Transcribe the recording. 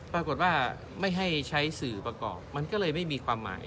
ปรากฏว่าไม่ให้ใช้สื่อประกอบมันก็เลยไม่มีความหมาย